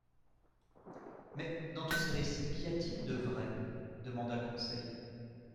—Mais dans tous ces récits, qu'y a-t-il de vrai ? demanda Conseil.